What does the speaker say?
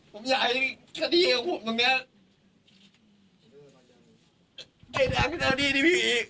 ผมอยากให้คดีของผมตรงนี้